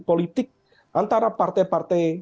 politik antara partai partai